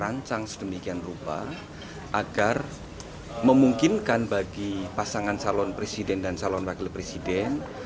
rancang sedemikian rupa agar memungkinkan bagi pasangan calon presiden dan calon wakil presiden